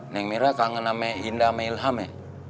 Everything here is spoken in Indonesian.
neng mirah kangen sama hinda sama ilham ya